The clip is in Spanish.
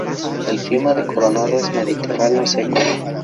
El clima de Coronado es mediterráneo seco.